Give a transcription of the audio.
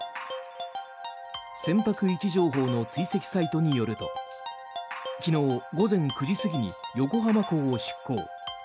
船舶位置情報の追跡サイトによると昨日午前９時過ぎに横浜港を出港。